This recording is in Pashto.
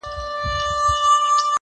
دوى ما اوتا نه غواړي,